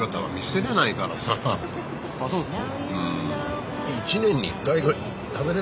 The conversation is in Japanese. あっそうですか。